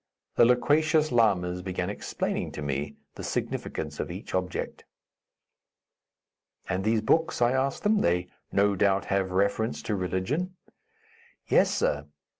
The loquacious lamas began explaining to me the significance of each object. "And those books?" I asked them; "they, no doubt, have reference to religion." "Yes, sir.